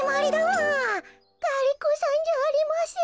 ガリ子さんじゃありません。